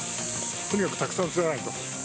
とにかくたくさん釣らないと。